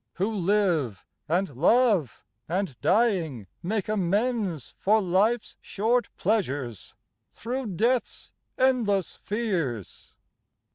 Who live, and love, and dying make amends For life's short pleasures thro' death's endless fears?